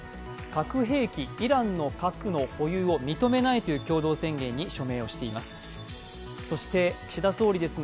核兵器、イランの核の保有を認めないという共同宣言に署名をしています。